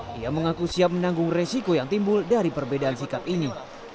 dia mengaku siap menanggung resiko yang timbul dari perbedaan sikap ini